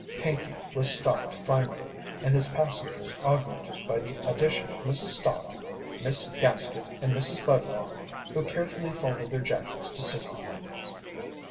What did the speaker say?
Pinkey was stopped finally, and his passengers augmented by the addition of Mrs. Stott, Miss Gaskett, and Mrs. Budlong, who carefully folded their jackets to sit on.